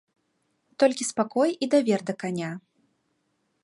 Толькі спакой і давер да каня.